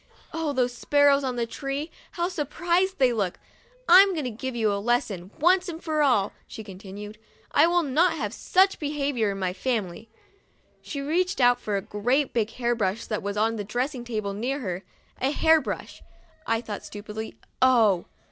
Oh, those sparrows on the tree ! How surprised they looked !" I'm going to give you a lesson, once for all," she continued ;" I will not have such behavior in my family." She reached out for a great big hair brush that was on a dressing table near her. " A hair brush," I thought, stupidly. Oh!